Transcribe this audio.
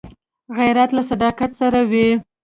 غیرت له صداقت سره وي